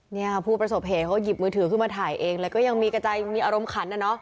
เนี่ยค่ะผู้ประสบเหตุเขาหยิบมือถือขึ้นมาถ่ายเองแล้วก็ยังมีกระจายมีอารมณ์ขันน่ะเนอะ